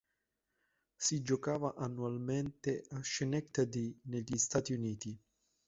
Si giocava annualmente a Schenectady negli Stati Uniti.